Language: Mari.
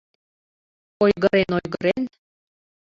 Ойгырен, ойгырен